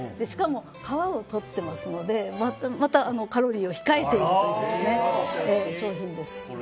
しかも皮を取っていますのでカロリーを控えているという商品です。